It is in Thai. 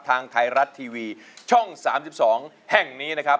ทางไทยรัฐทีวีช่อง๓๒แห่งนี้นะครับ